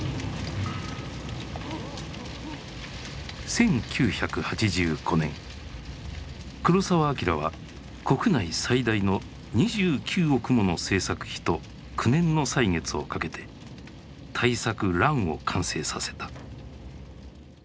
１９８５年黒澤明は国内最大の２９億もの製作費と９年の歳月をかけて大作「乱」を完成させた。